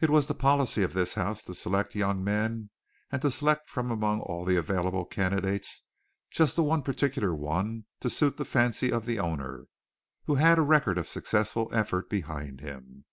It was the policy of this house to select young men and to select from among all the available candidates just the one particular one to suit the fancy of the owner and who had a record of successful effort behind him.